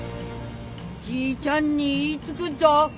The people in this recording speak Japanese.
じいちゃんに言いつくっぞ。